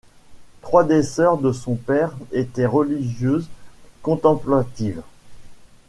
Trois des sœurs de son père étaient religieuses contemplatives.